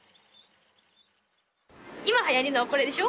今はやりのこれでしょ？